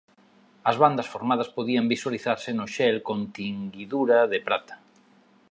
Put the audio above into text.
As bandas formadas podían visualizarse no xel con tinguidura de prata.